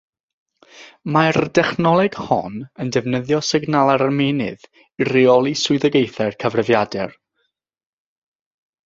Mae'r dechnoleg hon yn defnyddio signalau'r ymennydd i reoli swyddogaethau'r cyfrifiadur.